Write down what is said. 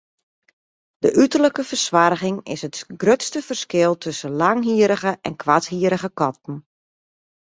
De uterlike fersoarging is it grutste ferskil tusken langhierrige en koarthierrige katten.